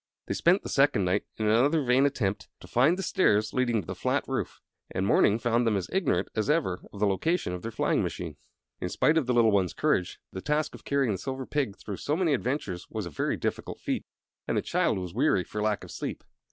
They spent the second night in another vain attempt to find the stairs leading to the flat roof, and morning found them as ignorant as ever of the location of their flying machine. In spite of the little one's courage, the task of carrying the Silver Pig through so many adventures was a very difficult feat, and the child was weary for lack of sleep.